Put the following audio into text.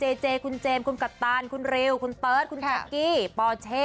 มีต่อคุณเจคุณเจมส์คุณกตันคุณเรวคุณเปิ๊ย์ทคุณทักกี้ปอเช่